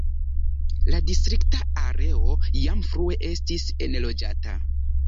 La distrikta areo jam frue estis enloĝata.